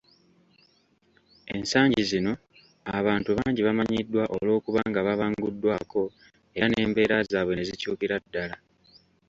Ensangi zino, abantu bangi bamanyiddwa olw'okuba nga babanguddwako era n'embeera zaabwe ne zikyukira ddala